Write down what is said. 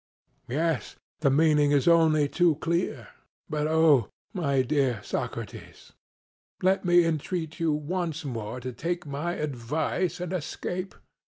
CRITO: Yes; the meaning is only too clear. But, oh! my beloved Socrates, let me entreat you once more to take my advice and escape.